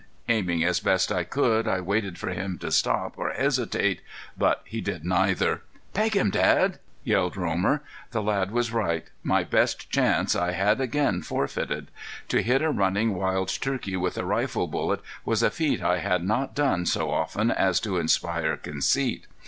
Aiming as best I could I waited for him to stop or hesitate. But he did neither. "Peg him, Dad!" yelled Romer. The lad was right. My best chance I had again forfeited. To hit a running wild turkey with a rifle bullet was a feat I had not done so often as to inspire conceit.